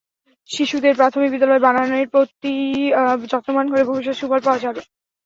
শিশুদের প্রাথমিক বিদ্যালয়ে বানানের প্রতি যত্নবান করলে ভবিষ্যতে সুফল পাওয়া যাবে।